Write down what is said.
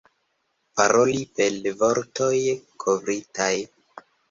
Paroli per vortoj kovritaj.